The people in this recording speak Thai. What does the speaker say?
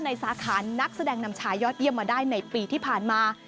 สาขานักแสดงนำชายยอดเยี่ยมมาได้ในปีที่ผ่านมา